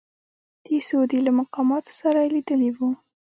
د سعودي له مقاماتو سره یې لیدلي وو.